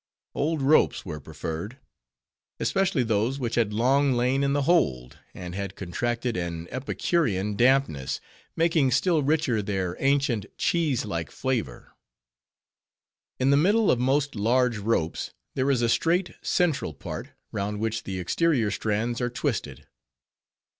Old ropes were preferred; especially those which had long lain in the hold, and had contracted an epicurean dampness, making still richer their ancient, cheese like flavor. In the middle of most large ropes, there is a straight, central part, round which the exterior strands are twisted.